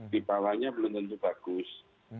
di bawahnya belum tentu bagus